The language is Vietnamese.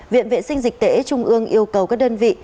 viện viện sinh dịch tệ trung ương yêu cầu các đơn vị